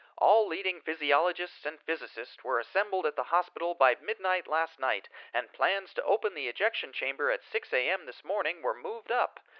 All leading physiologists and physicists were assembled at the hospital by midnight last night and plans to open the ejection chamber at 6 a.m. this morning were moved up.